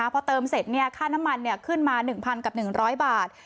พอเติมเสร็จค่าน้ำมันขึ้นมา๑๐๐กับ๑๐๐บาท